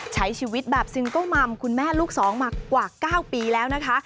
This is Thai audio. ใช้ชีวิตแบบซึงโก้ม่ำคุณแม่ลูก๒มากว่า๙ปีแล้วนะคะ